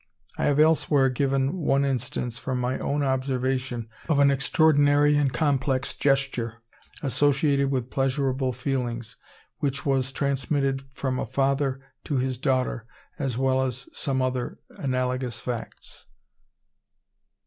I have elsewhere given one instance from my own observation of an extraordinary and complex gesture, associated with pleasurable feelings, which was transmitted from a father to his daughter, as well as some other analogous facts.